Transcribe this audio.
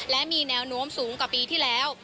และมีแนวโน้มสูงกว่าปีที่แล้ว